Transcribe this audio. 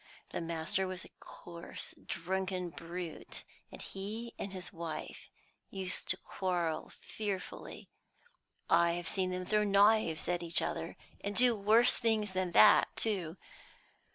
The master was a coarse drunken brute, and he and his wife used to quarrel fearfully. I have seen them throw knives at each other, and do worse things than that, too.